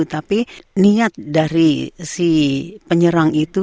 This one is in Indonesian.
tapi niat dari si penyerang itu